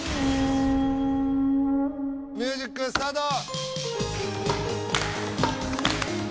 ミュージックスタート！